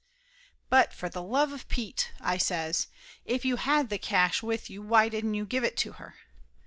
"But for the love of Pete!" I says. "If you had the cash with you why didn't you give it to her?"